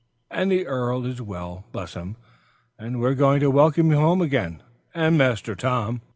"And the earl is well, bless him! and we are glad to welcome you home again, and Master Tom."